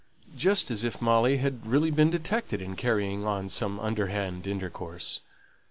just as if Molly had really been detected in carrying on some underhand intercourse.